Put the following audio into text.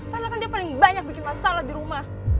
karena kan dia paling banyak bikin masalah di rumah